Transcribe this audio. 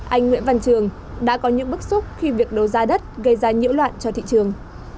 anh nguyễn văn trường đã có những bức xúc khi việc đô giá đất gây ra nhiễu loạn cho thị trường